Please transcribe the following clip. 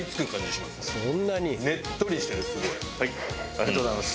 ありがとうございます。